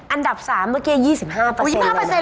อันดับ๓เมื่อกี้๒๕